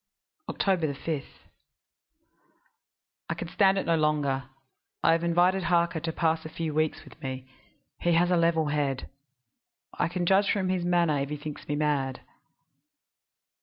"Oct. 5. I can stand it no longer; I have invited Harker to pass a few weeks with me he has a level head. I can judge from his manner if he thinks me mad.